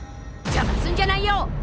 じゃますんじゃないよ！